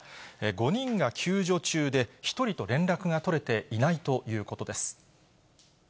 ５人が救助中で、１人と連絡が取れていないということです。